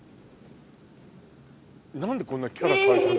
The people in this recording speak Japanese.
何でこんなキャラ変えたの？